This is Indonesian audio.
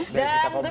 nah kamu ngetus dulu